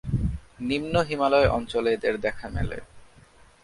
নিম্ন হিমালয় অঞ্চলে এদের দেখা মেলে।